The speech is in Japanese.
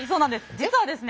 実はですね